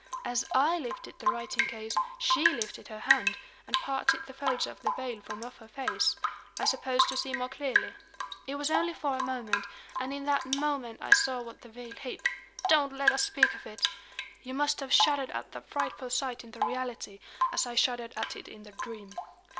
As I lifted the writing case, she lifted her hand, and parted the folds of the veil from off her face I suppose to see more clearly. It was only for a moment; and in that moment I saw what the veil hid. Don't let us speak of it! You must have shuddered at that frightful sight in the reality, as I shuddered at it in the dream.